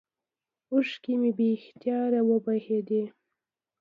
اوښكې مې بې اختياره وبهېدې.